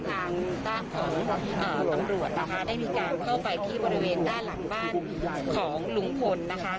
ทางด้านของตำรวจนะคะได้มีการเข้าไปที่บริเวณด้านหลังบ้านของลุงพลนะคะ